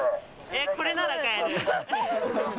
これなら買える。